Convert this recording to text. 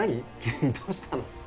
急にどうしたの？